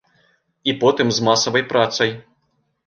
І потым з масавай працай.